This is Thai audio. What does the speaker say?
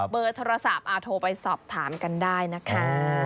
ประสาปธุ์โทรสอบถามกันได้นะคะ